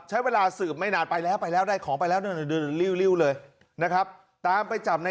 ใช้เวลาสืบไม่นานไปแล้วไปแล้วได้ของไปแล้วริ้วเลยนะครับตามไปจับใน